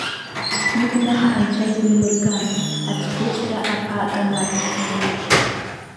Игәнаҳа анцәа ибимырган, ацгәыҵәҟьа аԥа канаршәӡом?